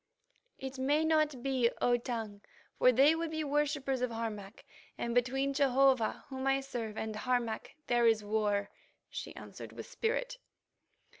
"It may not be, O Tongue, for they would be worshippers of Harmac, and between Jehovah, whom I serve, and Harmac there is war," she answered with spirit.